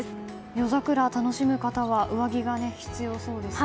夜桜を楽しむ方は上着が必要そうですね。